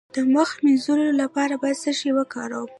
د مخ د مینځلو لپاره باید څه شی وکاروم؟